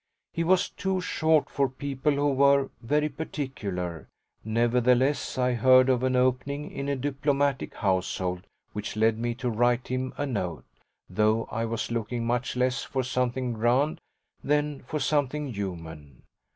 He was too short for people who were very particular; nevertheless I heard of an opening in a diplomatic household which led me to write him a note, though I was looking much less for something grand than for something human.